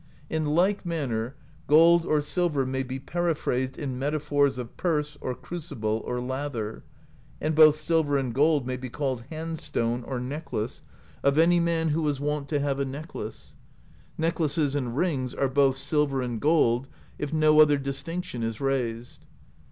In like manner, gold or silver may be periphrased in metaphors of purse, or crucible, or lather, and both silver and gold may be called Hand Stone, or Necklace, of any man who was THE POESY OF SKALDS 175 wont to have a necklace. Necklaces and rings are both sil ver and gold, if no other distinction is raised.